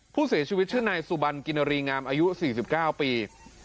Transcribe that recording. ผู้เสียชีวิตชื่อนายสุบันกินรีงามอายุ๔๙ปี